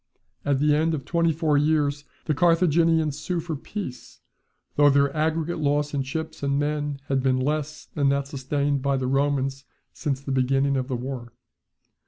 At the end of twenty four years, the Carthaginians sue for peace, though their aggregate loss in ships and men had been less than that sustained by the Romans since the beginning of the war.